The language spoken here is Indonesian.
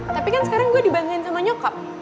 tapi kan sekarang gue dibanggain sama nyokap